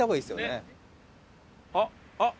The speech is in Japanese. あっあっ！